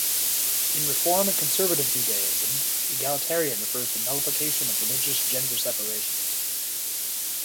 In Reform and Conservative Judaism, egalitarian refers to nullification of religious gender separations.